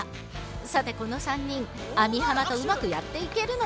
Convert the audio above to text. さてこの３人網浜とうまくやっていけるのか。